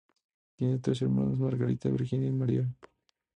Tiene tres hermanas Margarita, Virginia y María.